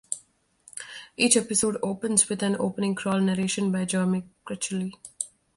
Each episode opens with an opening crawl narration by Jeremy Crutchley.